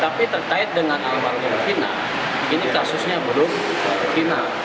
tapi terkait dengan almarhum cina ini kasusnya belum final